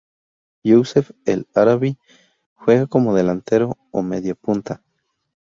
Youssef El-Arabi juega como delantero o mediapunta.